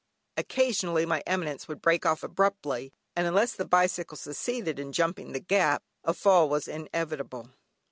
Occasionally, my eminence would break off abruptly, and unless the bicycle succeeded in jumping the gap a fall was inevitable.